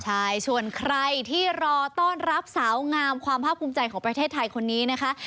ใช่ส่วนใครที่รอต้อนรับสาวงามความภาพภูมิใจของประเทศไทยคนนี้นะคะ